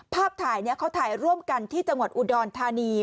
ภาพถ่ายนี้เขาถ่ายร่วมกันที่จังหวัดอุดรธานี